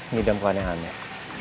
ngidam ke aneh aneh